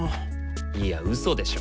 いやウソでしょ。